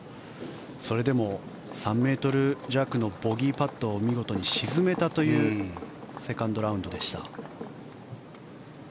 それでも３ｍ弱のボギーパットを見事に沈めたというセカンドラウンドでした。